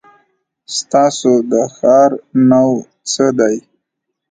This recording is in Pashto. ستاسو د ښار نو څه دی ؟